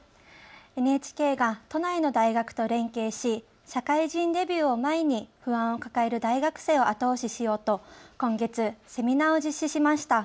ＮＨＫが都内の大学と連携し社会人デビューを前に不安を抱える大学生を後押ししようと今月、セミナーを実施しました。